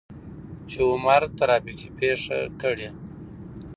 چې عمر ترافيکي پېښه کړى.